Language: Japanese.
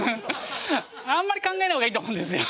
あんまり考えない方がいいと思うんですよ。